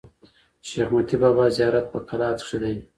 شېخ متي بابا زیارت په کلات کښي دﺉ.